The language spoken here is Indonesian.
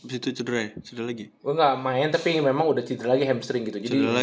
habis itu cedera ya cedera lagi gua gak main tapi memang udah cedera lagi hamstring gitu jadi